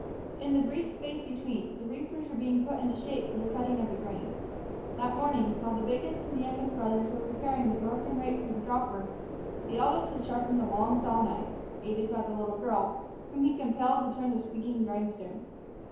In the brief space between, the reapers were being put into shape for the cutting of the grain. That morning, while the biggest and the youngest brothers were repairing the broken rakes of a dropper, the eldest had sharpened the long saw knife, aided by the little girl, whom he compelled to turn the squeaking grindstone.